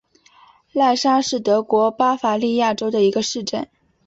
赖沙是德国巴伐利亚州的一个市镇。